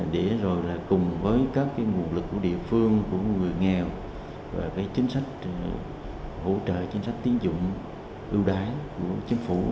để rồi là cùng với các nguồn lực của địa phương của người nghèo và cái chính sách hỗ trợ chính sách tiến dụng ưu đái của chính phủ